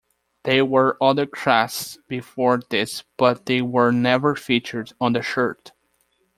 There were other crests before this but they were never featured on the shirt.